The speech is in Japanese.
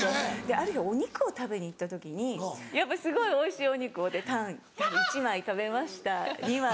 ある日お肉を食べに行った時にやっぱりすごいおいしいお肉をタン１枚食べました２枚。